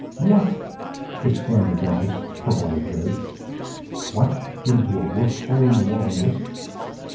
"What!" exclaimed the dentist, purple with rage. "What, get into a worse hole in the wall than this?